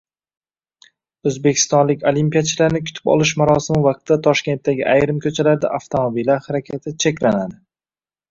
O‘zbekistonlik olimpiyachilarni kutib olish marosimi vaqtida Toshkentdagi ayrim ko‘chalarda avtomobillar harakati cheklanadi